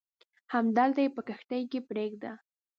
همدلته یې په کښتۍ کې پرېږده.